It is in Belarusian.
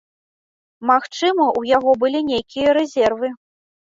Магчыма, у яго былі нейкія рэзервы.